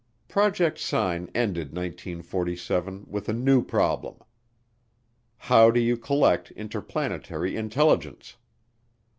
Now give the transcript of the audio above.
Project Sign ended 1947 with a new problem. How do you collect interplanetary intelligence?